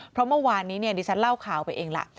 เพราะเมื่อวานนี้ดิฉันเล่าข่าวไปเองล่ะ